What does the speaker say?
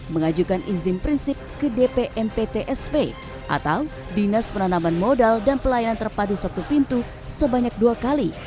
mengajukan izin prinsip ke dpmptsp atau dinas penanaman modal dan pelayanan terpadu satu pintu sebanyak dua kali